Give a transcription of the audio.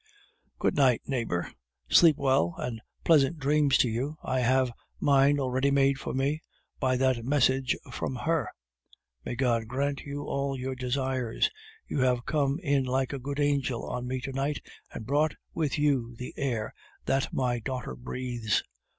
"Good night, neighbor! Sleep well, and pleasant dreams to you! I have mine already made for me by that message from her. May God grant you all your desires! You have come in like a good angel on me to night, and brought with you the air that my daughter breathes."